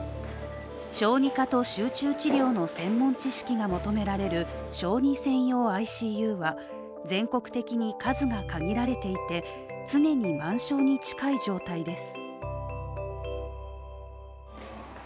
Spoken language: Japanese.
小児科と集中治療の専門知識が求められる小児専用ＩＣＵは全国的に数が限られていて常に満床に近い状態です。